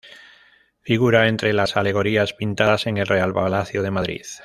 Figura entre las alegorías pintadas en el Real Palacio de Madrid.